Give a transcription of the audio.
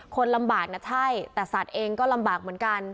คนลำบากนะใช่แต่สัตว์เองก็ลำบากเหมือนกัน